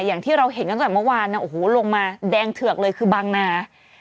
อย่างที่เราเห็นตั้งแต่เมื่อวานนะโอ้โหลงมาแดงเถือกเลยคือบางนา